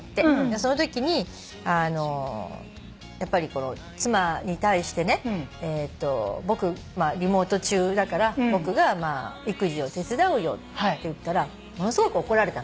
そのときにやっぱり妻に対してね僕リモート中だから僕が育児を手伝うよって言ったらものすごく怒られた。